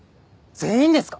全員ですか？